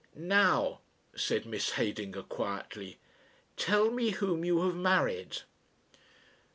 "Now," said Miss Heydinger, quietly. "Tell me whom you have married."